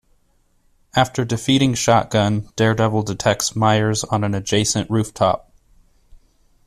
After defeating Shotgun, Daredevil detects Myers on an adjacent rooftop.